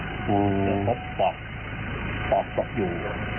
เดี๋ยวพบปอกปอกปอกอยู่